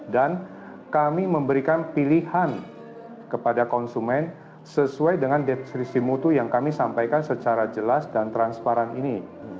dan kami memberikan pilihan kepada konsumen sesuai dengan detri simutu yang kami sampaikan secara jelas dan transparan ini